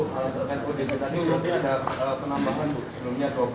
tadi mungkin ada penambahan bu